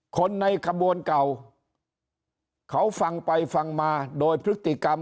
คนในขบวนเก่าเขาฟังไปฟังมาโดยพฤติกรรม